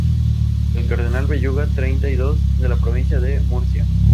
El cardenal Belluga treinta y dos en la provincia de Murcia.